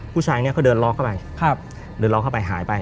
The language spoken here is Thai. ผู้ชายคนนี้เขาเดินล็อกเข้าไปเดินล็อกเข้าไปหายไป